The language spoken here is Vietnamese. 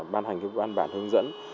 bán hành các văn bản hướng dẫn